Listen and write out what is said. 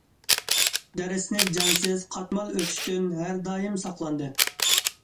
دەرسنى جانسىز، قاتمال ئۆتۈشتىن ھەر دائىم ساقلاندى.